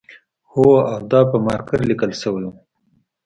هو او دا په مارکر لیکل شوی و